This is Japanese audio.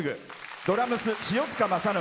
ドラムス、塩塚正信。